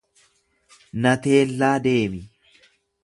Na teellaa deemi.